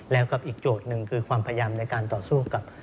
แล้วกับอีกโจทย์หนึ่งคือความพยายามในการต่อสู้กับ